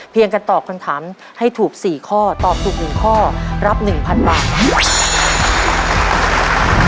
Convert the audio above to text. กันตอบคำถามให้ถูก๔ข้อตอบถูก๑ข้อรับ๑๐๐๐บาท